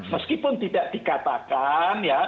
meskipun tidak dikatakan